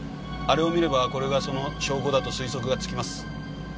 あれを見ればこれがその証拠だと推測がつきます。